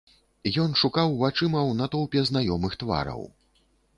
Ён шукаў вачыма ў натоўпе знаёмых твараў.